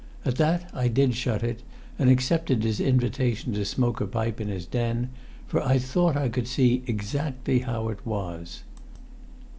At that I did shut it, and accepted his invitation to smoke a pipe in his den; for I thought I could see exactly how it was.